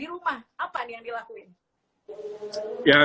di rumah apa nih yang dilakuin